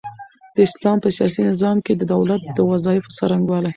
د اسلام په سياسي نظام کي د دولت د وظايفو څرنګوالي